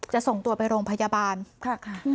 จะส่งตัวไปโรงพยาบาลค่ะค่ะอืม